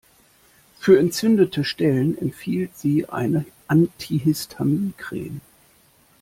Für entzündete Stellen empfiehlt sie eine antihistamine Creme.